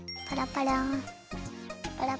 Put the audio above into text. パラパラ。